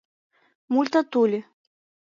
МУЛЬТАТУЛИ